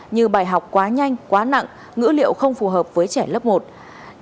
như bài học quá nhanh bài học quá nhanh bài học quá nhanh bài học quá nhanh bài học quá nhanh bài học quá nhanh